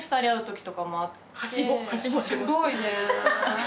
すごいね。